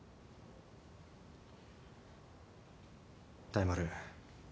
大丸